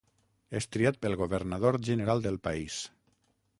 És triat pel governador general del país.